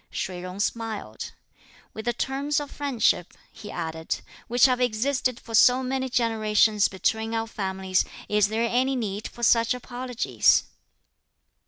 Shih Jung smiled. "With the terms of friendship," he added, "which have existed for so many generations (between our families), is there any need for such apologies?"